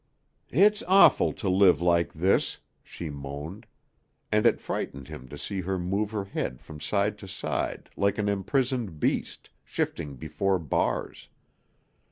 "It's awful to live like this," she moaned; and it frightened him to see her move her head from side to side like an imprisoned beast, shifting before bars.